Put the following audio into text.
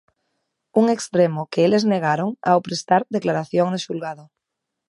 Un extremo que eles negaron ao prestar declaración no xulgado.